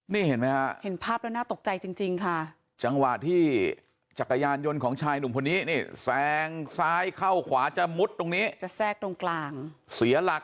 นี่เห็นไหมฮะเห็นภาพแล้วน่าตกใจจริงจริงค่ะจังหวะที่จักรยานยนต์ของชายหนุ่มคนนี้นี่แซงซ้ายเข้าขวาจะมุดตรงนี้จะแทรกตรงกลางเสียหลัก